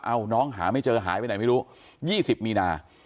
น้องหาไม่เจอหายไปไหนไม่รู้๒๐มีนา